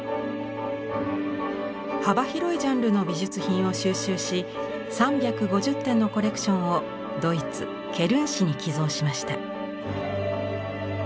幅広いジャンルの美術品を収集し３５０点のコレクションをドイツケルン市に寄贈しました。